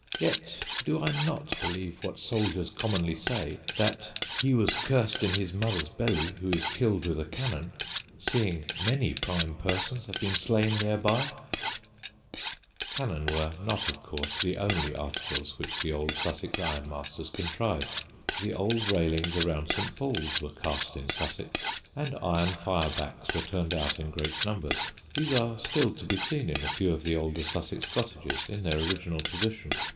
Yet do I not believe what Souldiers commonly say, 'that he was curs'd in his Mother's belly, who is kill'd with a Cannon,' seeing many prime persons have been slain thereby." [Sidenote: SUSSEX IRON WORKS] Cannon were not, of course, the only articles which the old Sussex ironmasters contrived. The old railings around St. Paul's were cast in Sussex; and iron fire backs were turned out in great numbers. These are still to be seen in a few of the older Sussex cottages in their original position.